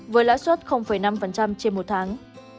với lãi suất năm trên một tháng